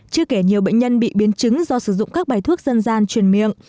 chưa kể nhiều bệnh nhân bị biến chứng do sử dụng các bài thuốc dân gian truyền miệng